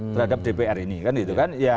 terhadap dpr ini kan gitu kan